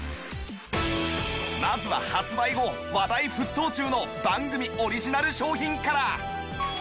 まずは発売後話題沸騰中の番組オリジナル商品から